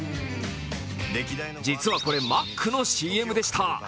実はこれ、マックのＣＭでした。